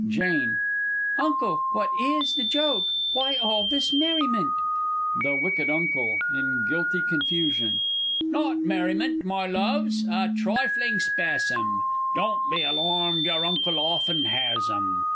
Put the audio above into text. _ Jane. Uncle, what is the joke? Why all this merriment? The W. U. (in guilty confusion). Not merriment, my loves a trifling spasm Don't be alarmed your Uncle often has 'em!